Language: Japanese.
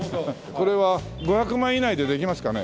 これは５００万以内でできますかね？